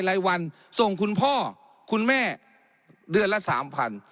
รายวันส่งคุณพ่อคุณแม่เดือนละสามพัน